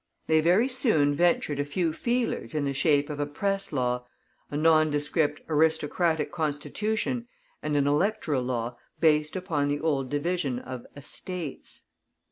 They very soon ventured a few feelers in the shape of a Press Law, a nondescript Aristocratic Constitution, and an Electoral Law based upon the old division of "estates."